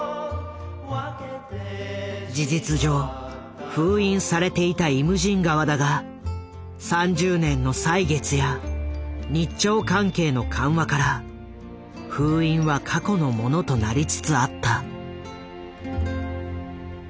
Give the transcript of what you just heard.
事実上封印されていた「イムジン河」だが３０年の歳月や日朝関係の緩和から封印は過去のものとなりつつあった。